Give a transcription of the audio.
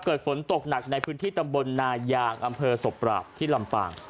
เกิดฝนตกหนักในพื้นที่ตำบลนายางอำเภอศพปราบที่ลำปาง